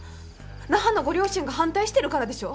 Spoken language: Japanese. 那覇のご両親が反対してるからでしょ？